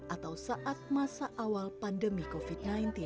atau saat masa awal pandemi covid sembilan belas